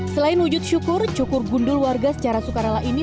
selain wujud syukur cukur gundul warga secara sukarela ini